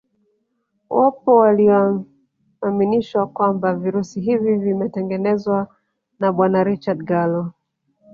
Wapo walioaminishwa kwamba virusi hivi vimetengenezwa na Bwana Richard Gallo